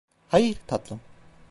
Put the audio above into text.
Hayır, tatlım.